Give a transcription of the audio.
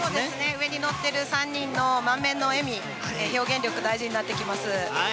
上に乗ってる３人の満面の笑み、表現力、大事になってきます。